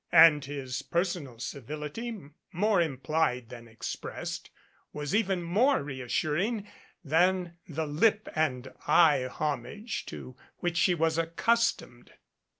And his personal civility, more implied than expressed, was even more reassuring than the lip and eye homage to which she was accustomed.